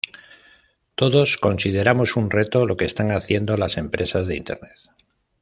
Todos consideramos un reto lo que están haciendo las empresas de Internet.